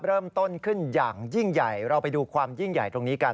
เริ่มต้นขึ้นอย่างยิ่งใหญ่เราไปดูความยิ่งใหญ่ตรงนี้กัน